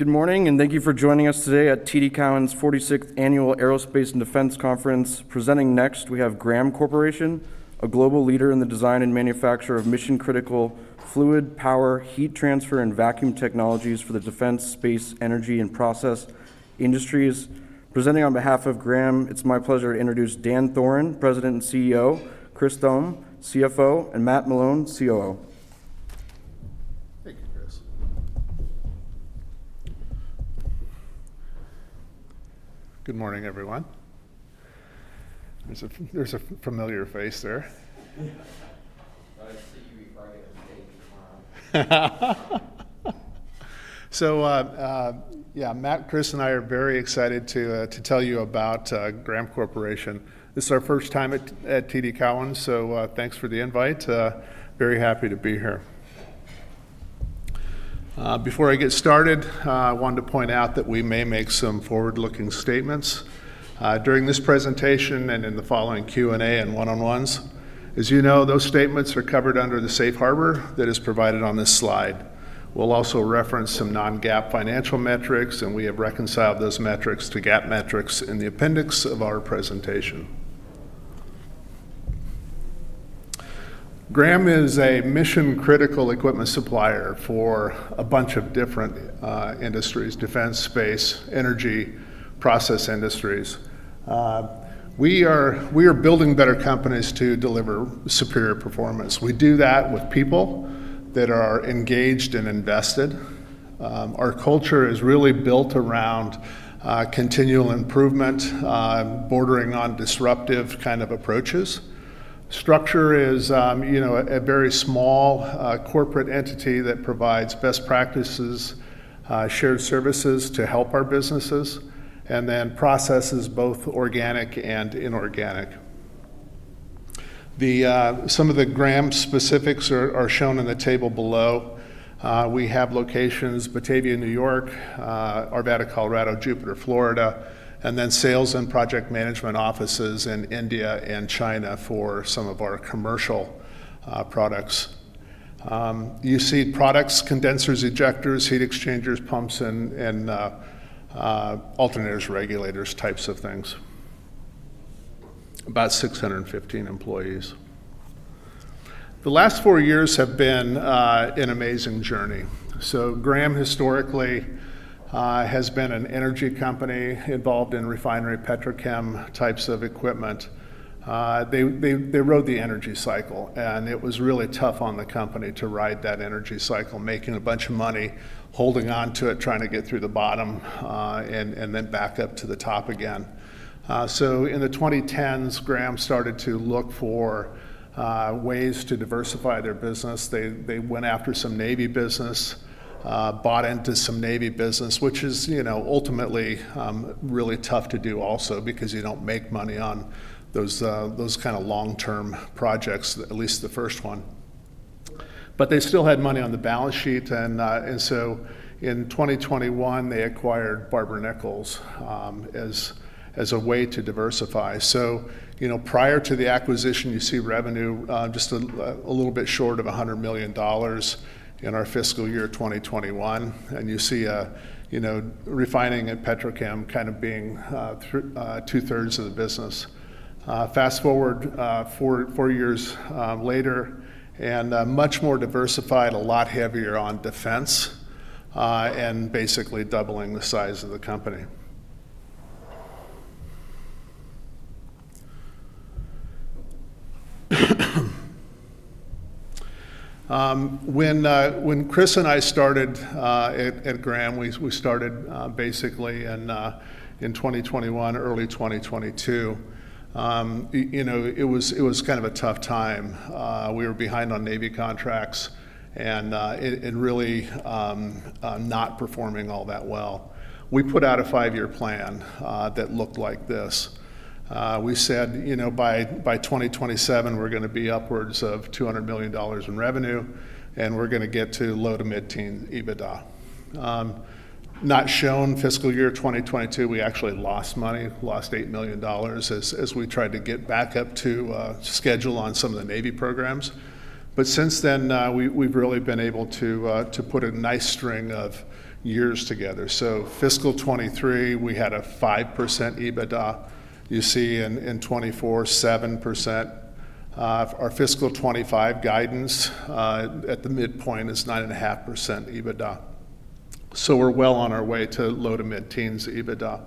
Good morning, and thank you for joining us today at TD Cowen's 46th Annual Aerospace and Defense Conference. Presenting next, we have Graham Corporation, a global leader in the design and manufacture of mission-critical fluid, power, heat transfer, and vacuum technologies for the defense, space, energy, and process industries. Presenting on behalf of Graham, it's my pleasure to introduce Dan Thoren, President and CEO, Chris Thome, CFO, and Matt Malone, COO. Good morning, everyone. There's a familiar face there. Matt, Chris, and I are very excited to tell you about Graham Corporation. This is our first time at TD Cowen, so thanks for the invite. Very happy to be here. Before I get started, I wanted to point out that we may make some forward-looking statements during this presentation and in the following Q&A and one-on-ones. As you know, those statements are covered under the safe harbor that is provided on this slide. We'll also reference some non-GAAP financial metrics, and we have reconciled those metrics to GAAP metrics in the appendix of our presentation. Graham is a mission-critical equipment supplier for a bunch of different industries: defense, space, energy, process industries. We are building better companies to deliver superior performance. We do that with people that are engaged and invested. Our culture is really built around continual improvement, bordering on disruptive kind of approaches. Structure is a very small corporate entity that provides best practices, shared services to help our businesses, and then processes both organic and inorganic. Some of the Graham specifics are shown in the table below. We have locations: Batavia, New York, Arvada, Colorado, Jupiter, Florida, and then sales and project management offices in India and China for some of our commercial products. You see products: condensers, ejectors, heat exchangers, pumps, and alternators/regulators types of things. About 615 employees. The last four years have been an amazing journey. So Graham historically has been an energy company involved in refinery petrochem types of equipment. They rode the energy cycle, and it was really tough on the company to ride that energy cycle, making a bunch of money, holding on to it, trying to get through the bottom, and then back up to the top again. So in the 2010s, Graham started to look for ways to diversify their business. They went after some Navy business, bought into some Navy business, which is ultimately really tough to do also because you don't make money on those kind of long-term projects, at least the first one. But they still had money on the balance sheet, and so in 2021, they acquired Barber-Nichols as a way to diversify. So prior to the acquisition, you see revenue just a little bit short of $100 million in our fiscal year 2021, and you see refining and petrochem kind of being two-thirds of the business. Fast forward four years later and much more diversified, a lot heavier on defense, and basically doubling the size of the company. When Chris and I started at Graham, we started basically in 2021, early 2022. It was kind of a tough time. We were behind on Navy contracts and really not performing all that well. We put out a five-year plan that looked like this. We said by 2027, we're going to be upwards of $200 million in revenue, and we're going to get to low to mid-teen EBITDA. Not shown fiscal year 2022, we actually lost money, lost $8 million as we tried to get back up to schedule on some of the Navy programs. But since then, we've really been able to put a nice string of years together. So fiscal 2023, we had a 5% EBITDA. You see in 2024, 7%. Our fiscal 2025 guidance at the midpoint is 9.5% EBITDA. So we're well on our way to low to mid-teens EBITDA.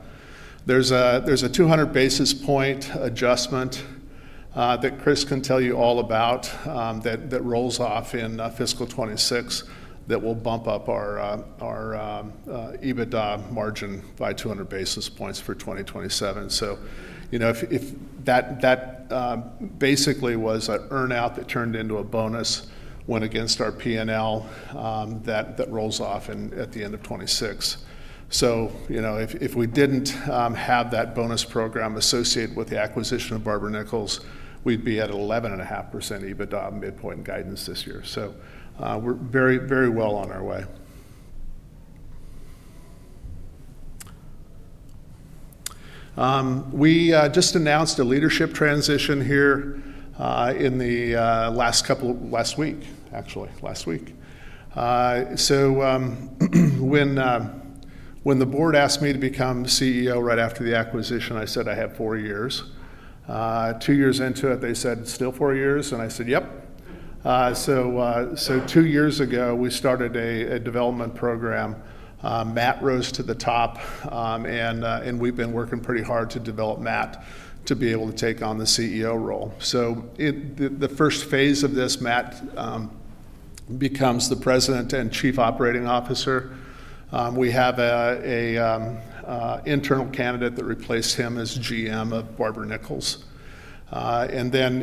There's a 200 basis point adjustment that Chris can tell you all about that rolls off in fiscal 2026 that will bump up our EBITDA margin by 200 basis points for 2027, so that basically was an earn-out that turned into a bonus went against our P&L that rolls off at the end of 2026. So if we didn't have that bonus program associated with the acquisition of Barber-Nichols, we'd be at 11.5% EBITDA midpoint guidance this year, so we're very, very well on our way. We just announced a leadership transition here in the last week, actually last week, so when the board asked me to become CEO right after the acquisition, I said I have four years. Two years into it, they said, "Still four years?" and I said, "Yep," so two years ago, we started a development program. Matt rose to the top, and we've been working pretty hard to develop Matt to be able to take on the CEO role, so the first phase of this, Matt becomes the president and chief operating officer, and then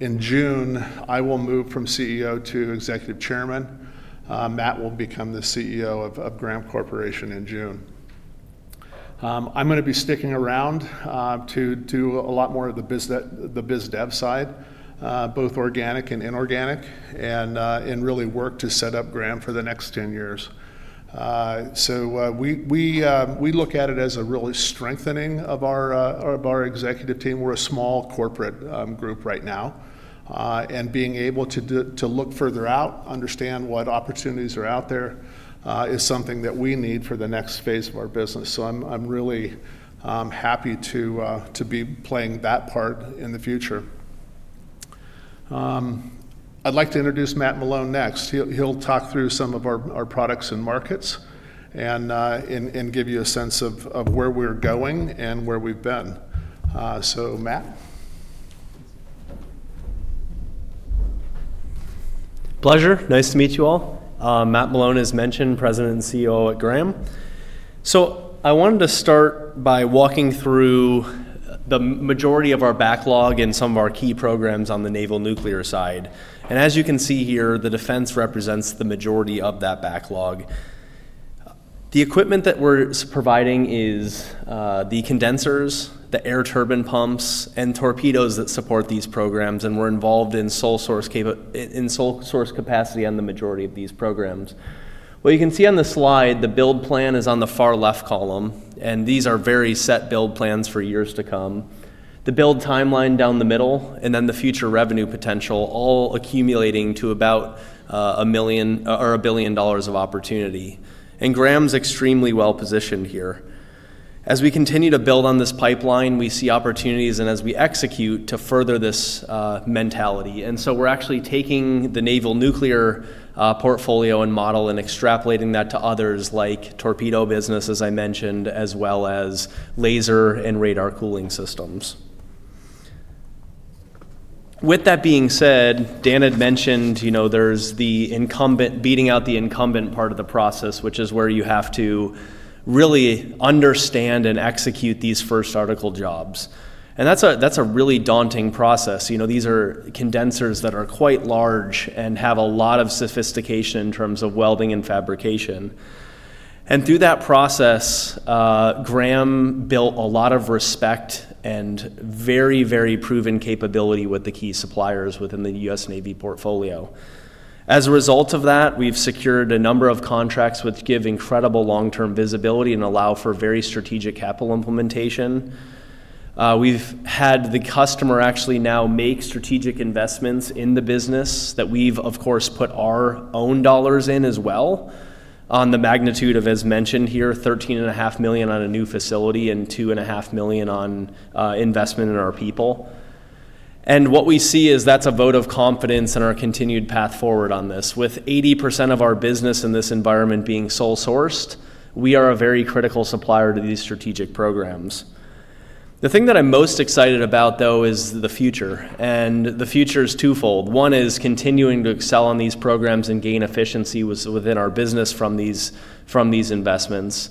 in June, I will move from CEO to executive chairman. Matt will become the CEO of Graham Corporation in June. I'm going to be sticking around to do a lot more of the biz dev side, both organic and inorganic, and really work to set up Graham for the next 10 years, so we look at it as a really strengthening of our executive team. We're a small corporate group right now, and being able to look further out, understand what opportunities are out there is something that we need for the next phase of our business. So I'm really happy to be playing that part in the future. I'd like to introduce Matt Malone next. He'll talk through some of our products and markets and give you a sense of where we're going and where we've been. So Matt. Pleasure. Nice to meet you all. Matt Malone, as mentioned, President and COO at Graham. I wanted to start by walking through the majority of our backlog and some of our key programs on the naval nuclear side. As you can see here, the defense represents the majority of that backlog. The equipment that we're providing is the condensers, the air turbine pumps, and torpedoes that support these programs, and we're involved in sole source capacity on the majority of these programs. What you can see on the slide, the build plan is on the far left column, and these are very set build plans for years to come. The build timeline down the middle, and then the future revenue potential, all accumulating to about $1 million or $1 billion of opportunity. Graham's extremely well positioned here. As we continue to build on this pipeline, we see opportunities, and as we execute to further this mentality, and so we're actually taking the naval nuclear portfolio and model and extrapolating that to others like torpedo business, as I mentioned, as well as laser and radar cooling systems. With that being said, Dan had mentioned there's the incumbent beating out the incumbent part of the process, which is where you have to really understand and execute these first article jobs, and that's a really daunting process. These are condensers that are quite large and have a lot of sophistication in terms of welding and fabrication, and through that process, Graham built a lot of respect and very, very proven capability with the key suppliers within the U.S. Navy portfolio. As a result of that, we've secured a number of contracts which give incredible long-term visibility and allow for very strategic capital implementation. We've had the customer actually now make strategic investments in the business that we've, of course, put our own dollars in as well on the magnitude of, as mentioned here, $13.5 million on a new facility and $2.5 million on investment in our people. And what we see is that's a vote of confidence in our continued path forward on this. With 80% of our business in this environment being sole sourced, we are a very critical supplier to these strategic programs. The thing that I'm most excited about, though, is the future. And the future is twofold. One is continuing to excel on these programs and gain efficiency within our business from these investments.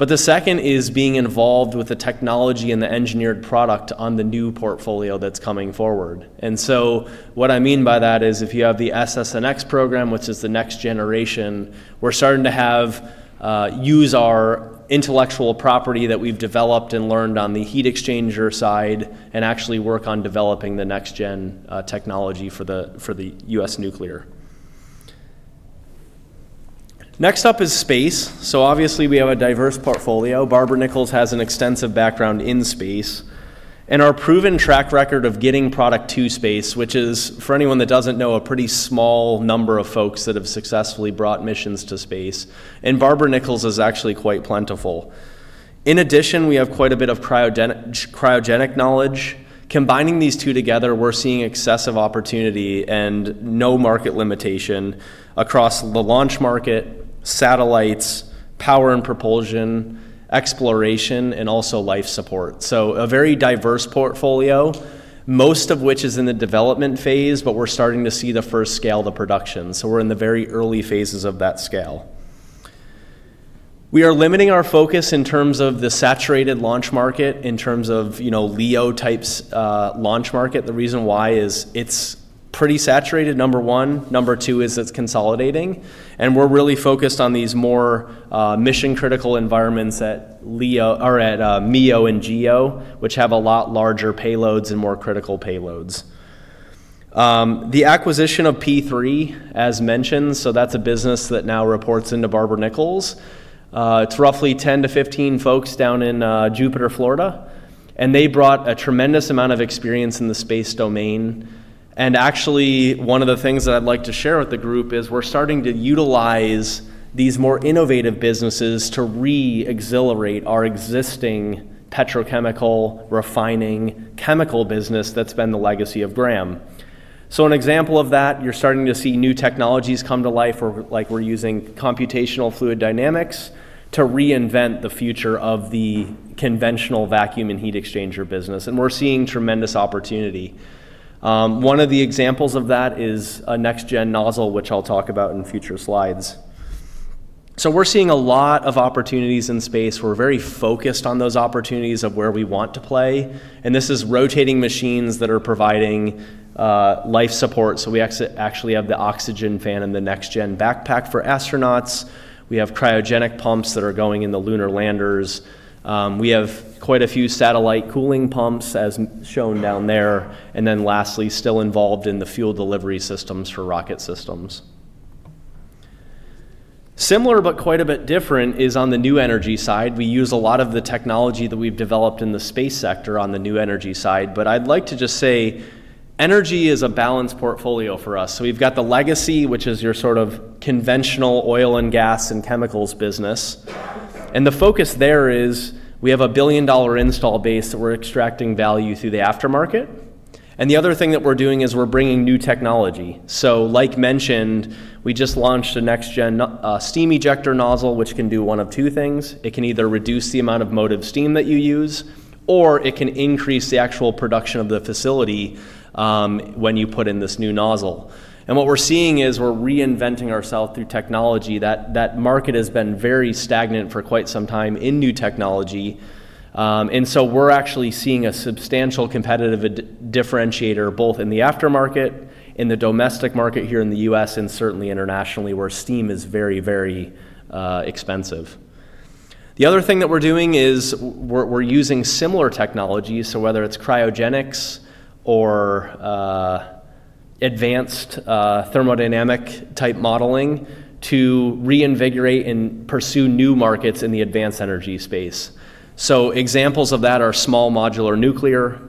But the second is being involved with the technology and the engineered product on the new portfolio that's coming forward. And so what I mean by that is if you have the SSN(X) program, which is the next generation, we're starting to use our intellectual property that we've developed and learned on the heat exchanger side and actually work on developing the next-gen technology for the U.S. nuclear. Next up is space. So obviously, we have a diverse portfolio. Barber-Nichols has an extensive background in space and our proven track record of getting product to space, which is, for anyone that doesn't know, a pretty small number of folks that have successfully brought missions to space. And Barber-Nichols is actually quite plentiful. In addition, we have quite a bit of cryogenic knowledge. Combining these two together, we're seeing excessive opportunity and no market limitation across the launch market, satellites, power and propulsion, exploration, and also life support. So a very diverse portfolio, most of which is in the development phase, but we're starting to see the first scale of the production. So we're in the very early phases of that scale. We are limiting our focus in terms of the saturated launch market, in terms of LEO-type launch market. The reason why is it's pretty saturated, number one. Number two is it's consolidating. And we're really focused on these more mission-critical environments that are at MEO and GEO, which have a lot larger payloads and more critical payloads. The acquisition of P3, as mentioned, so that's a business that now reports into Barber-Nichols. It's roughly 10-15 folks down in Jupiter, Florida. And they brought a tremendous amount of experience in the space domain. And actually, one of the things that I'd like to share with the group is we're starting to utilize these more innovative businesses to reaccelerate our existing petrochemical refining chemical business that's been the legacy of Graham. So an example of that, you're starting to see new technologies come to life, like we're using computational fluid dynamics to reinvent the future of the conventional vacuum and heat exchanger business. And we're seeing tremendous opportunity. One of the examples of that is a next-gen nozzle, which I'll talk about in future slides. So we're seeing a lot of opportunities in space. We're very focused on those opportunities of where we want to play. And this is rotating machines that are providing life support. So we actually have the oxygen fan and the next-gen backpack for astronauts. We have cryogenic pumps that are going in the lunar landers. We have quite a few satellite cooling pumps, as shown down there. And then lastly, still involved in the fuel delivery systems for rocket systems. Similar, but quite a bit different is on the new energy side. We use a lot of the technology that we've developed in the space sector on the new energy side. But I'd like to just say energy is a balanced portfolio for us. So we've got the legacy, which is your sort of conventional oil and gas and chemicals business. And the focus there is we have a $1 billion-dollar installed base that we're extracting value through the aftermarket. And the other thing that we're doing is we're bringing new technology. So like mentioned, we just launched a next-gen steam ejector nozzle, which can do one of two things. It can either reduce the amount of motive steam that you use, or it can increase the actual production of the facility when you put in this new nozzle, and what we're seeing is we're reinventing ourselves through technology. That market has been very stagnant for quite some time in new technology, and so we're actually seeing a substantial competitive differentiator both in the aftermarket, in the domestic market here in the U.S., and certainly internationally, where steam is very, very expensive. The other thing that we're doing is we're using similar technologies, so whether it's cryogenics or advanced thermodynamic-type modeling to reinvigorate and pursue new markets in the advanced energy space, so examples of that are small modular nuclear,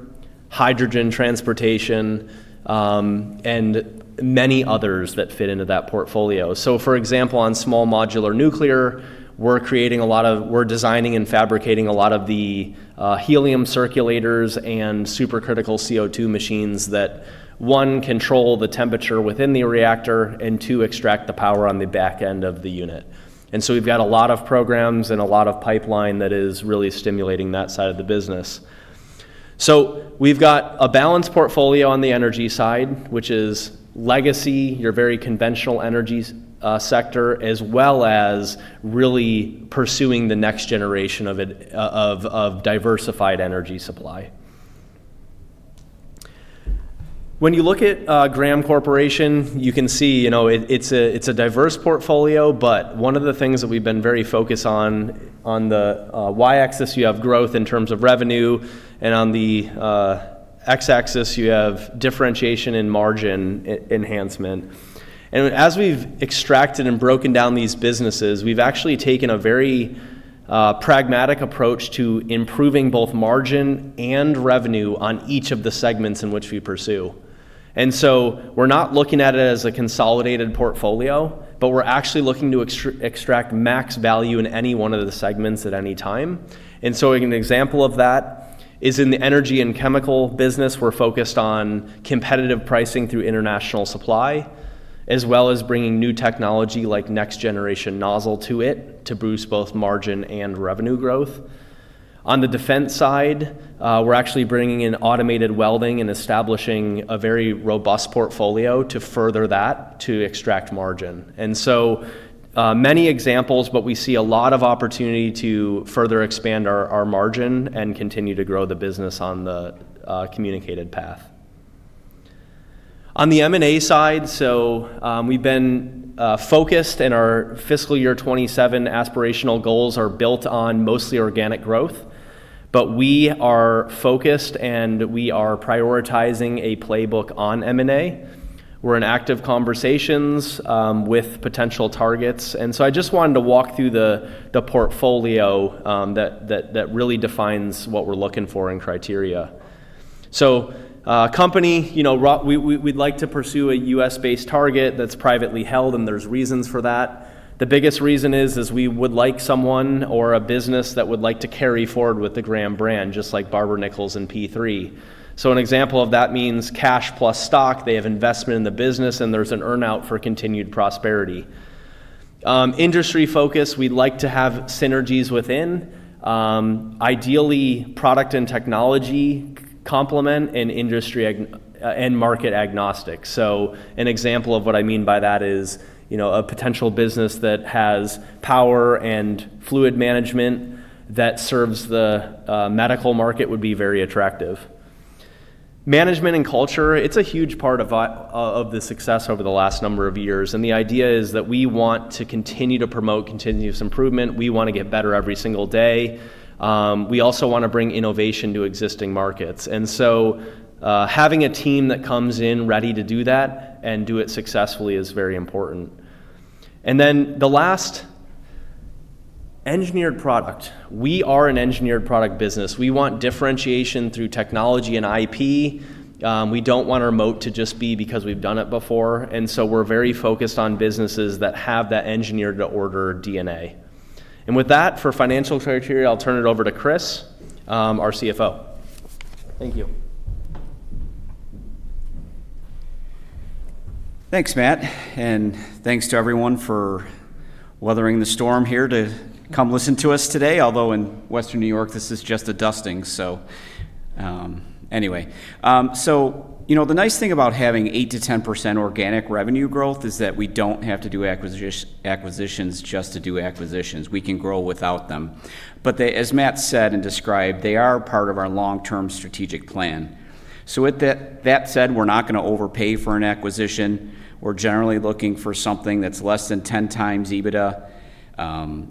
hydrogen transportation, and many others that fit into that portfolio. So for example, on small modular nuclear, we're designing and fabricating a lot of the helium circulators and supercritical CO2 machines that, one, control the temperature within the reactor, and two, extract the power on the back end of the unit. And so we've got a lot of programs and a lot of pipeline that is really stimulating that side of the business. So we've got a balanced portfolio on the energy side, which is legacy, your very conventional energy sector, as well as really pursuing the next generation of diversified energy supply. When you look at Graham Corporation, you can see it's a diverse portfolio, but one of the things that we've been very focused on, on the Y-axis, you have growth in terms of revenue, and on the X-axis, you have differentiation and margin enhancement. As we've extracted and broken down these businesses, we've actually taken a very pragmatic approach to improving both margin and revenue on each of the segments in which we pursue. We're not looking at it as a consolidated portfolio, but we're actually looking to extract max value in any one of the segments at any time. An example of that is in the energy and chemical business. We're focused on competitive pricing through international supply, as well as bringing new technology like next-generation nozzle to it to boost both margin and revenue growth. On the defense side, we're actually bringing in automated welding and establishing a very robust portfolio to further that to extract margin. Many examples, but we see a lot of opportunity to further expand our margin and continue to grow the business on the communicated path. On the M&A side, so we've been focused in our fiscal year 2027 aspirational goals are built on mostly organic growth, but we are focused and we are prioritizing a playbook on M&A. We're in active conversations with potential targets, and so I just wanted to walk through the portfolio that really defines what we're looking for in criteria. Company, we'd like to pursue a U.S.-based target that's privately held, and there's reasons for that. The biggest reason is we would like someone or a business that would like to carry forward with the Graham brand, just like Barber-Nichols and P3. An example of that means cash plus stock. They have investment in the business, and there's an earnout for continued prosperity. Industry focus, we'd like to have synergies within, ideally product and technology complement and market agnostic. So an example of what I mean by that is a potential business that has power and fluid management that serves the medical market would be very attractive. Management and culture, it's a huge part of the success over the last number of years. And the idea is that we want to continue to promote continuous improvement. We want to get better every single day. We also want to bring innovation to existing markets. And so having a team that comes in ready to do that and do it successfully is very important. And then the last engineered product, we are an engineered product business. We want differentiation through technology and IP. We don't want our moat to just be because we've done it before. And so we're very focused on businesses that have that engineered-to-order DNA. With that, for financial criteria, I'll turn it over to Chris, our CFO. Thank you. Thanks, Matt. And thanks to everyone for weathering the storm here to come listen to us today, although in Western New York, this is just a dusting. So anyway, so the nice thing about having 8%-10% organic revenue growth is that we don't have to do acquisitions just to do acquisitions. We can grow without them. But as Matt said and described, they are part of our long-term strategic plan. So with that said, we're not going to overpay for an acquisition. We're generally looking for something that's less than 10 times EBITDA.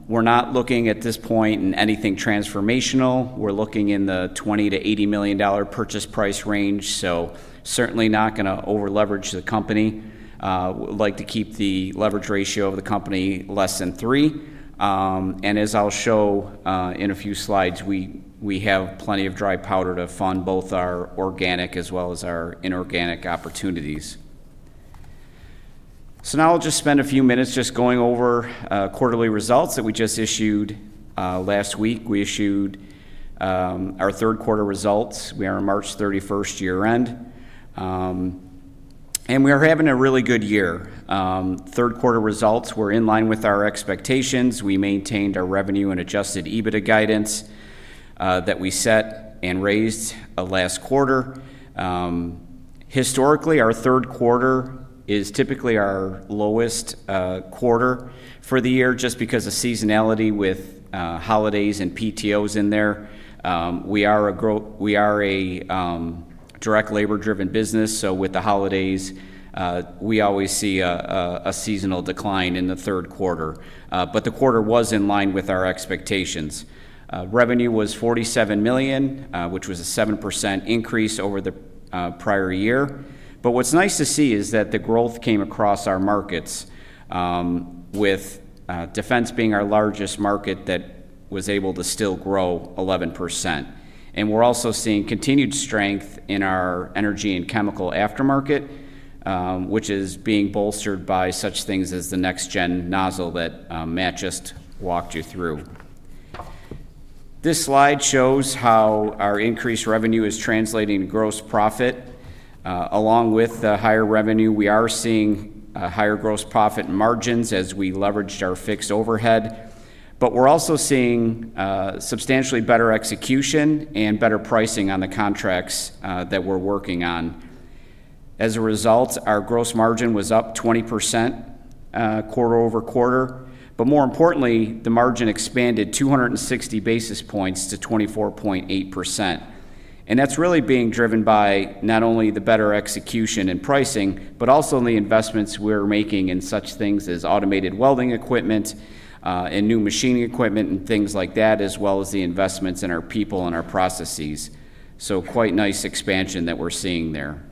We're not looking at this point in anything transformational. We're looking in the $20 million-$80 million purchase price range. So certainly not going to over-leverage the company. We'd like to keep the leverage ratio of the company less than three. As I'll show in a few slides, we have plenty of dry powder to fund both our organic as well as our inorganic opportunities. So now I'll just spend a few minutes just going over quarterly results that we just issued last week. We issued our third quarter results. We are on March 31st, year-end. We are having a really good year. Third quarter results were in line with our expectations. We maintained our revenue and Adjusted EBITDA guidance that we set and raised last quarter. Historically, our third quarter is typically our lowest quarter for the year just because of seasonality with holidays and PTOs in there. We are a direct labor-driven business. So with the holidays, we always see a seasonal decline in the third quarter. But the quarter was in line with our expectations. Revenue was $47 million, which was a 7% increase over the prior year. But what's nice to see is that the growth came across our markets, with defense being our largest market that was able to still grow 11%. And we're also seeing continued strength in our energy and chemical aftermarket, which is being bolstered by such things as the next-gen nozzle that Matt just walked you through. This slide shows how our increased revenue is translating to gross profit. Along with the higher revenue, we are seeing higher gross profit margins as we leveraged our fixed overhead. But we're also seeing substantially better execution and better pricing on the contracts that we're working on. As a result, our gross margin was up 20% quarter-over- quarter. But more importantly, the margin expanded 260 basis points to 24.8%. And that's really being driven by not only the better execution and pricing, but also in the investments we're making in such things as automated welding equipment and new machining equipment and things like that, as well as the investments in our people and our processes. So quite nice expansion that we're seeing there.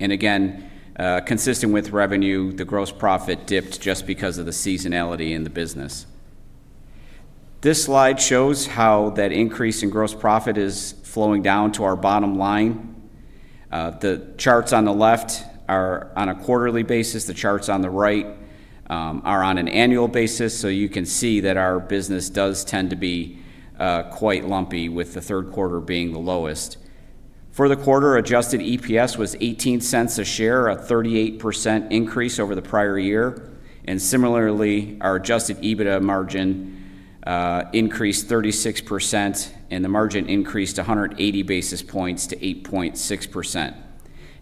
And again, consistent with revenue, the gross profit dipped just because of the seasonality in the business. This slide shows how that increase in gross profit is flowing down to our bottom line. The charts on the left are on a quarterly basis. The charts on the right are on an annual basis. So you can see that our business does tend to be quite lumpy, with the third quarter being the lowest. For the quarter, Adjusted EPS was $0.18 a share, a 38% increase over the prior year. Similarly, our Adjusted EBITDA margin increased 36%, and the margin increased 180 basis points to 8.6%.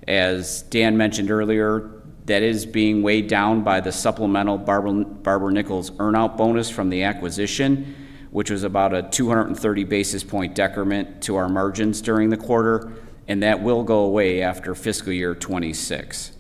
As Dan mentioned earlier, that is being weighed down by the supplemental Barber-Nichols earnout bonus from the acquisition, which was about a 230 basis point decrement to our margins during the quarter. That will go away after fiscal year 2026.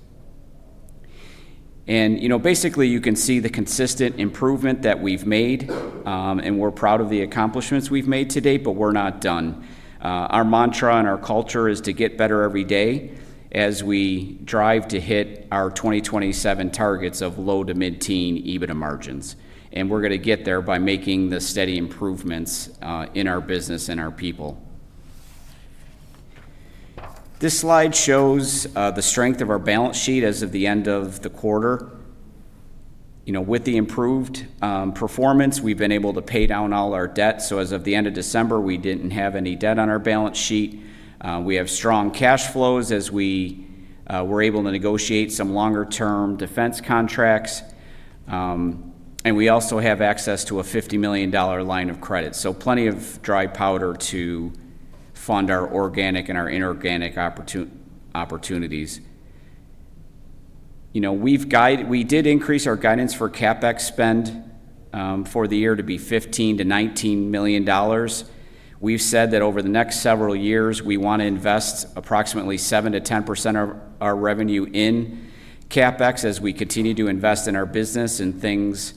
Basically, you can see the consistent improvement that we've made, and we're proud of the accomplishments we've made today, but we're not done. Our mantra and our culture is to get better every day as we drive to hit our 2027 targets of low- to mid-teen EBITDA margins. We're going to get there by making the steady improvements in our business and our people. This slide shows the strength of our balance sheet as of the end of the quarter. With the improved performance, we've been able to pay down all our debt. So as of the end of December, we didn't have any debt on our balance sheet. We have strong cash flows as we were able to negotiate some longer-term defense contracts. And we also have access to a $50 million line of credit. So plenty of dry powder to fund our organic and our inorganic opportunities. We did increase our guidance for CapEx spend for the year to be $15 million-$19 million. We've said that over the next several years, we want to invest approximately 7%-10% of our revenue in CapEx as we continue to invest in our business and things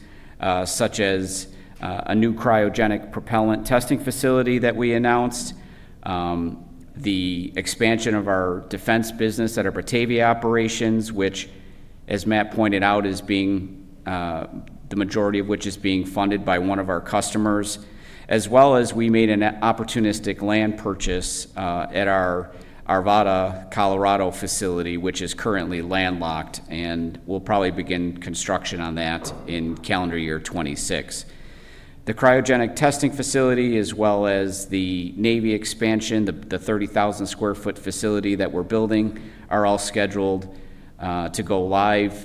such as a new cryogenic propellant testing facility that we announced, the expansion of our defense business at our Batavia operations, which, as Matt pointed out, the majority of which is being funded by one of our customers, as well as we made an opportunistic land purchase at our Arvada, Colorado facility, which is currently landlocked and will probably begin construction on that in calendar year 2026. The cryogenic testing facility, as well as the Navy expansion, the 30,000 sq ft facility that we're building, are all scheduled to go live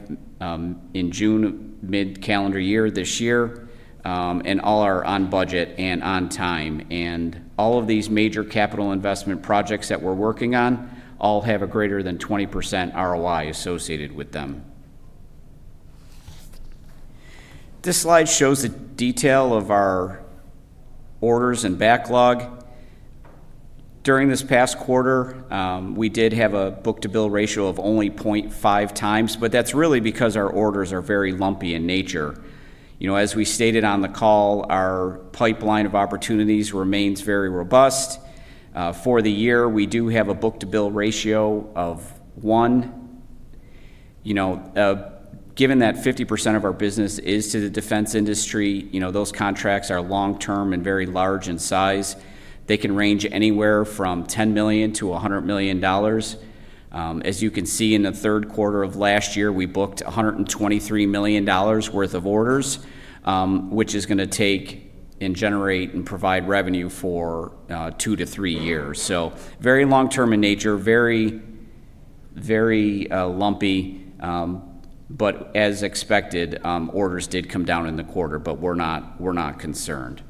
in June, mid-calendar year this year, and all are on budget and on time. All of these major capital investment projects that we're working on all have a greater than 20% ROI associated with them. This slide shows the detail of our orders and backlog. During this past quarter, we did have a book-to-bill ratio of only 0.5 times, but that's really because our orders are very lumpy in nature. As we stated on the call, our pipeline of opportunities remains very robust. For the year, we do have a book-to-bill ratio of one. Given that 50% of our business is to the defense industry, those contracts are long-term and very large in size. They can range anywhere from $10 million to $100 million. As you can see, in the third quarter of last year, we booked $123 million worth of orders, which is going to take and generate and provide revenue for two to three years. So very long-term in nature, very, very lumpy. But as expected, orders did come down in the quarter, but we're not concerned.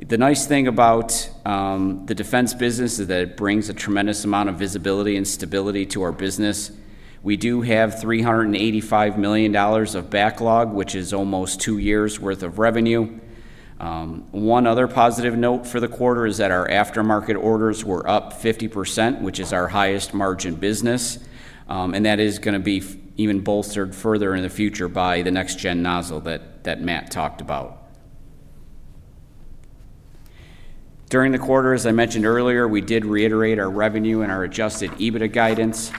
The nice thing about the defense business is that it brings a tremendous amount of visibility and stability to our business. We do have $385 million of backlog, which is almost two years' worth of revenue. One other positive note for the quarter is that our aftermarket orders were up 50%, which is our highest margin business. And that is going to be even bolstered further in the future by the next-gen nozzle that Matt talked about. During the quarter, as I mentioned earlier, we did reiterate our revenue and our Adjusted EBITDA guidance.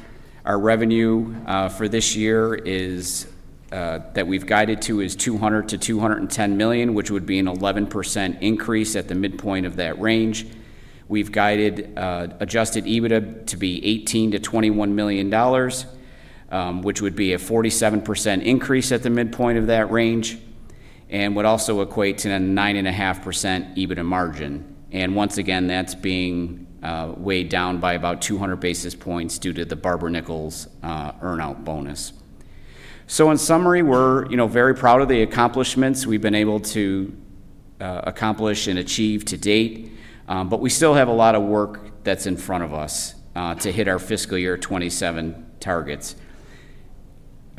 Our revenue for this year that we've guided to is $200 million-$210 million, which would be an 11% increase at the midpoint of that range. We've guided Adjusted EBITDA to be $18-$21 million, which would be a 47% increase at the midpoint of that range, and would also equate to a 9.5% EBITDA margin. And once again, that's being weighed down by about 200 basis points due to the Barber-Nichols earnout bonus. So in summary, we're very proud of the accomplishments we've been able to accomplish and achieve to date. But we still have a lot of work that's in front of us to hit our fiscal year 2027 targets.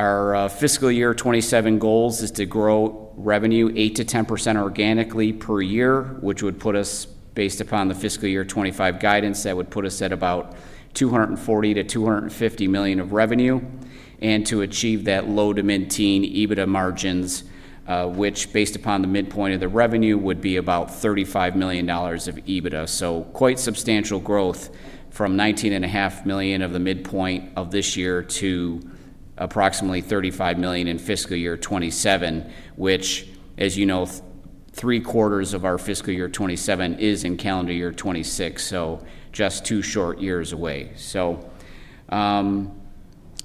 Our fiscal year 2027 goals is to grow revenue 8%-10% organically per year, which would put us, based upon the fiscal year 2025 guidance, that would put us at about $240-$250 million of revenue. To achieve that low to mid-teen EBITDA margins, which, based upon the midpoint of the revenue, would be about $35 million of EBITDA. So quite substantial growth from $19.5 million of the midpoint of this year to approximately $35 million in fiscal year 2027, which, as you know, three quarters of our fiscal year 2027 is in calendar year 2026. So just two short years away.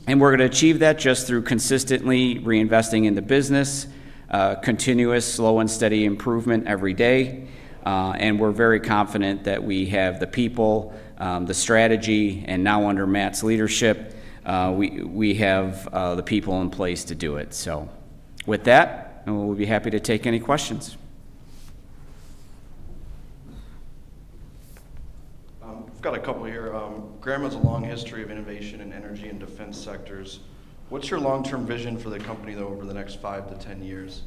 And we're going to achieve that just through consistently reinvesting in the business, continuous slow and steady improvement every day. And we're very confident that we have the people, the strategy, and now under Matt's leadership, we have the people in place to do it. So with that, we'll be happy to take any questions. I've got a couple here. Graham has a long history of innovation in energy and defense sectors. What's your long-term vision for the company, though, over the next five to 10 years?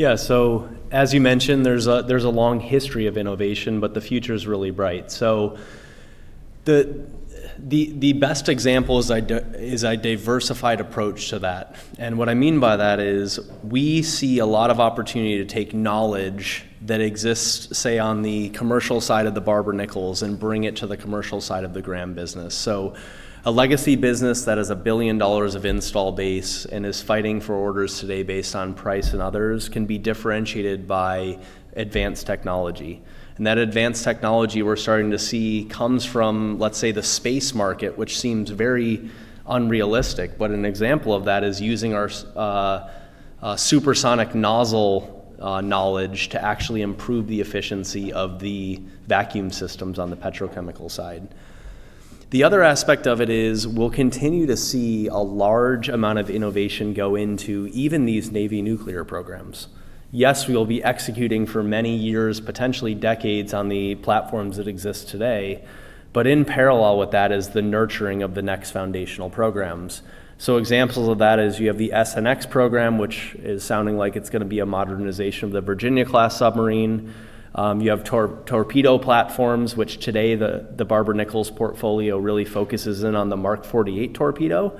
Yeah. So as you mentioned, there's a long history of innovation, but the future is really bright. So the best example is a diversified approach to that. And what I mean by that is we see a lot of opportunity to take knowledge that exists, say, on the commercial side of the Barber-Nichols and bring it to the commercial side of the Graham business. So a legacy business that has $1 billion installed base and is fighting for orders today based on price and others can be differentiated by advanced technology. And that advanced technology we're starting to see comes from, let's say, the space market, which seems very unrealistic. But an example of that is using our supersonic nozzle knowledge to actually improve the efficiency of the vacuum systems on the petrochemical side. The other aspect of it is we'll continue to see a large amount of innovation go into even these Navy nuclear programs. Yes, we will be executing for many years, potentially decades, on the platforms that exist today. But in parallel with that is the nurturing of the next foundational programs. So examples of that is you have the SSN(X) program, which is sounding like it's going to be a modernization of the Virginia-class submarine. You have torpedo platforms, which today the Barber-Nichols portfolio really focuses in on the Mark 48 torpedo,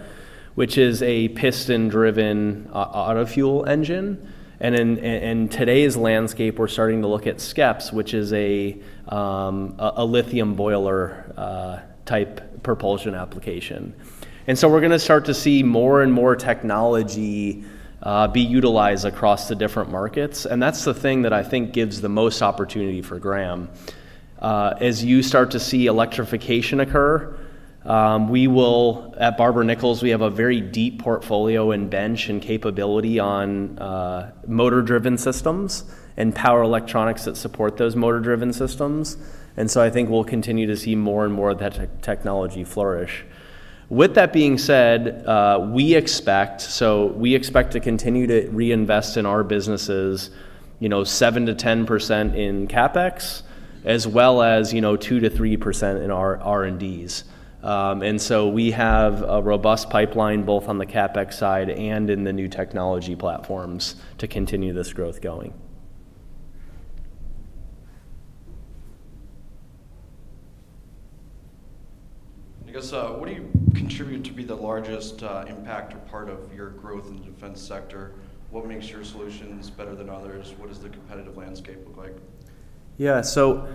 which is a piston-driven Otto fuel engine. And in today's landscape, we're starting to look at SCEPS, which is a lithium boiler-type propulsion application. And so we're going to start to see more and more technology be utilized across the different markets. And that's the thing that I think gives the most opportunity for Graham. As you start to see electrification occur, we will, at Barber-Nichols, we have a very deep portfolio and bench and capability on motor-driven systems and power electronics that support those motor-driven systems. And so I think we'll continue to see more and more of that technology flourish. With that being said, we expect to continue to reinvest in our businesses 7%-10% in CapEx, as well as 2%-3% in our R&Ds. And so we have a robust pipeline both on the CapEx side and in the new technology platforms to continue this growth going. I guess, what do you attribute to be the largest impact or part of your growth in the defense sector? What makes your solutions better than others? What does the competitive landscape look like? Yeah. So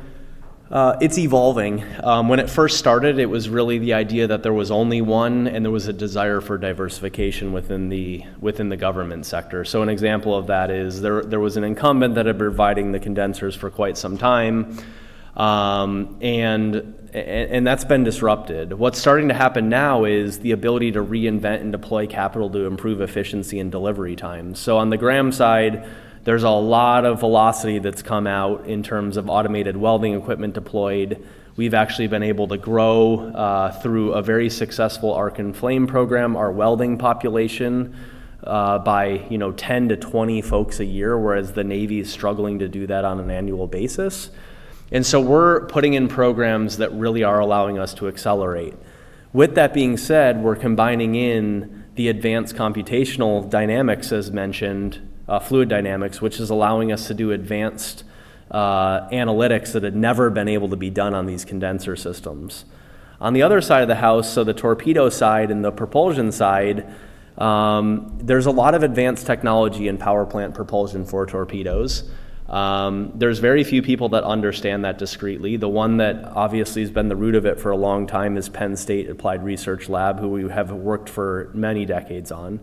it's evolving. When it first started, it was really the idea that there was only one, and there was a desire for diversification within the government sector. So an example of that is there was an incumbent that had been providing the condensers for quite some time, and that's been disrupted. What's starting to happen now is the ability to reinvent and deploy capital to improve efficiency and delivery times. So on the Graham side, there's a lot of velocity that's come out in terms of automated welding equipment deployed. We've actually been able to grow through a very successful Arc and Flame program our welding population by 10 to 20 folks a year, whereas the Navy is struggling to do that on an annual basis. And so we're putting in programs that really are allowing us to accelerate. With that being said, we're combining in the advanced computational fluid dynamics, as mentioned, which is allowing us to do advanced analytics that had never been able to be done on these condenser systems. On the other side of the house, so the torpedo side and the propulsion side, there's a lot of advanced technology in power plant propulsion for torpedoes. There's very few people that understand that discreetly. The one that obviously has been the root of it for a long time is Penn State Applied Research Lab, who we have worked for many decades on,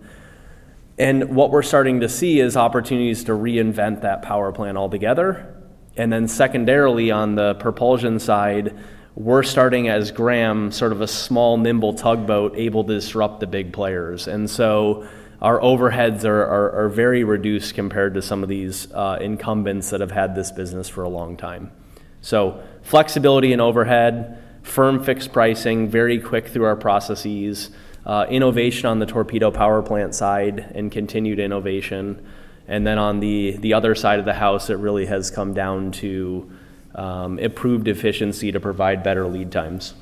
and what we're starting to see is opportunities to reinvent that power plant altogether, and then secondarily, on the propulsion side, we're starting, as Graham, sort of a small nimble tugboat able to disrupt the big players. And so our overheads are very reduced compared to some of these incumbents that have had this business for a long time. So flexibility in overhead, firm fixed pricing, very quick through our processes, innovation on the torpedo power plant side, and continued innovation. And then on the other side of the house, it really has come down to improved efficiency to provide better lead times.